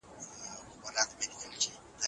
د بل حق خوړل لويه جفا ده.